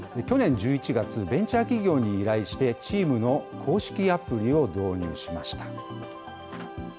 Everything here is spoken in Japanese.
去年１１月、ベンチャー企業に依頼して、チームの公式アプリを導入しました。